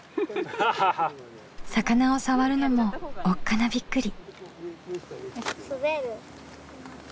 魚を触るのもおっかなびっくり。